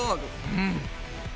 うん！